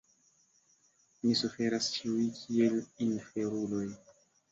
Ni suferas ĉiuj kiel inferuloj.